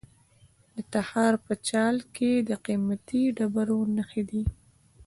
د تخار په چال کې د قیمتي ډبرو نښې دي.